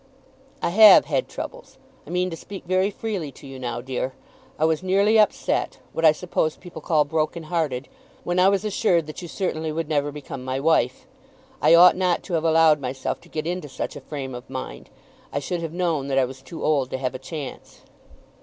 "I have had troubles. I mean to speak very freely to you now, dear. I was nearly upset, what I suppose people call broken hearted, when I was assured that you certainly would never become my wife. I ought not to have allowed myself to get into such a frame of mind. I should have known that I was too old to have a chance."